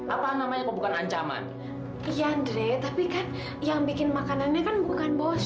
apa namanya bukan ancaman iyandre tapi kan yang bikin makanannya kan bukan bos